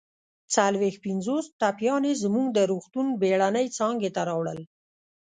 څلويښت پنځوس ټپیان يې زموږ د روغتون بېړنۍ څانګې ته راوړل